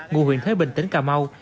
ngụ huyện thế bình tỉnh cà mau